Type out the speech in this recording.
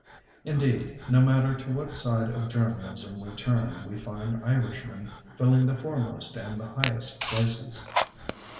Indeed, no matter to what side of journalism we turn, we find Irishmen filling the foremost and the highest places.